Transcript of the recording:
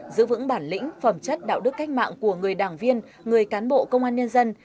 giữ vững bản lĩnh phẩm chất đạo đức cách mạng của người đảng viên người cán bộ công an nhân dân